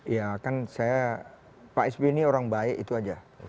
ya kan saya pak sby ini orang baik itu aja